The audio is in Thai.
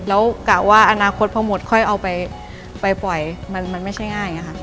แล้วกะว่าอนาคตพอหมดค่อยเอาไปปล่อยมันไม่ใช่ง่ายอย่างนี้ค่ะ